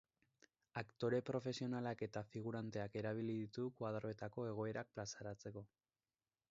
Aktore profesionalak eta figuranteak erabili ditu koadroetako egoerak plazaratzeko.